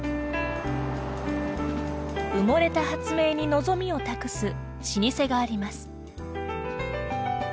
埋もれた発明に望みを託す老舗があります。